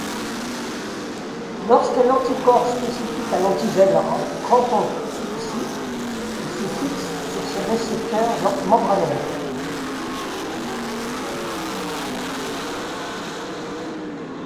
Lorsqu'un anticorps spécifique à l'antigène rencontre celui-ci, il se fixe sur ses récepteurs membranaires.